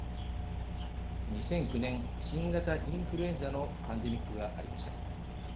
２００９年新型インフルエンザのパンデミックがありました。